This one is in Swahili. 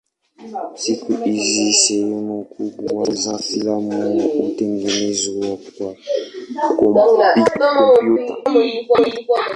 Siku hizi sehemu kubwa za filamu hutengenezwa kwa kompyuta.